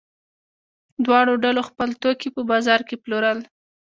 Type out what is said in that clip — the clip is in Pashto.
دواړو ډلو خپل توکي په بازار کې پلورل.